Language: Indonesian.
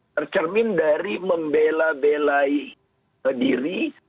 tercermin dari membela bela diri